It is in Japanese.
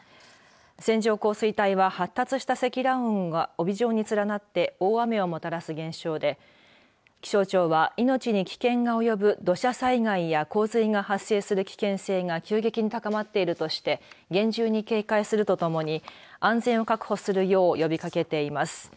線状降水帯は発達した積乱雲が帯状に連なって大雨をもたらす現象で気象庁は命に危険が及ぶ土砂災害や洪水が発生する危険性が急激に高まっているとして厳重に警戒するとともに安全を確保するよう呼びかけています。